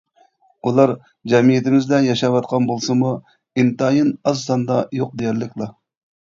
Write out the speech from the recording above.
ئۇلار جەمئىيىتىمىزدە ياشاۋاتقان بولسىمۇ ئىنتايىن ئاز ساندا، يوق دېيەرلىكلا.